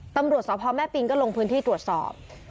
ตำรวจสพแม่ปิงก็ลงพื้นที่ตรวจสอบ